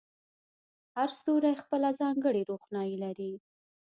هر ستوری خپله ځانګړې روښنایي لري.